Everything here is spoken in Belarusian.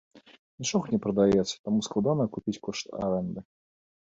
Нічога не прадаецца, таму складана акупіць кошт арэнды.